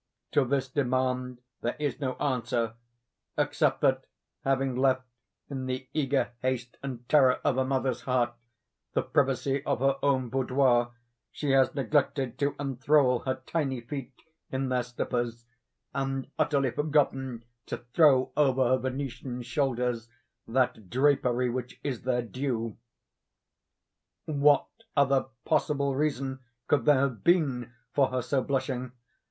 To this demand there is no answer—except that, having left, in the eager haste and terror of a mother's heart, the privacy of her own boudoir, she has neglected to enthral her tiny feet in their slippers, and utterly forgotten to throw over her Venetian shoulders that drapery which is their due. What other possible reason could there have been for her so blushing?